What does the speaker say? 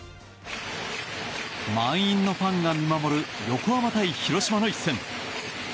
満員のファンが見守る横浜対広島の一戦。